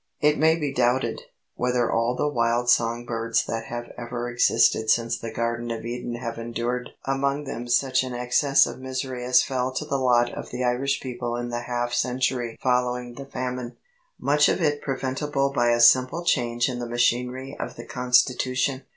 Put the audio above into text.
It may be doubted, whether all the wild song birds that have ever existed since the Garden of Eden have endured among them such an excess of misery as fell to the lot of the Irish people in the half century following the Famine much of it preventable by a simple change in the machinery of the constitution.